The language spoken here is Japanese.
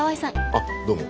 あっどうも。